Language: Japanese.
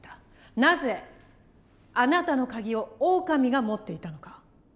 なぜあなたのカギをオオカミが持っていたのか？